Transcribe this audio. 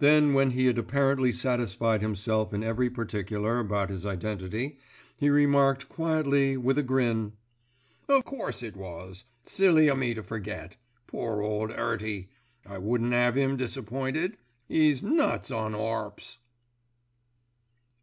Then when he had apparently satisfied himself in every particular about his identity, he remarked quietly with a grin: "O' course it was. Silly o' me to forget. Poor ole 'Earty. I wouldn't 'ave 'im disappointed. 'E's nuts on 'arps."